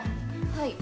はい。